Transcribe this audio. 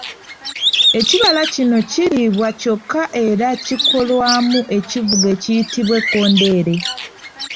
Ekibala kino kiriibwa kyokka era kikolwamu ekivuga ekiyitibwa ekkondeere.